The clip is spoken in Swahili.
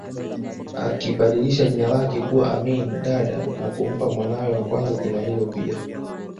Akibadilisha jina lake kuwa Amin Dada na kumpa mwanawe wa kwanza jina hilo pia